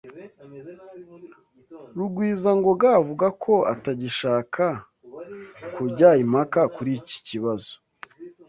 Rugwizangoga avuga ko atagishaka kujya impaka kuri iki kibazo.